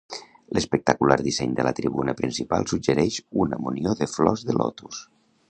L'espectacular disseny de la tribuna principal suggereix una munió de flors de lotus.